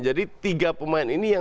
jadi tiga pemain ini yang